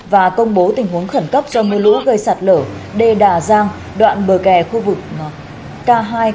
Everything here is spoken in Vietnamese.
và công bố tình huống khẩn cấp cho mưa lũ gây sạt lở đê đà giang đoạn bờ kè khu vực k hai năm trăm ba mươi tám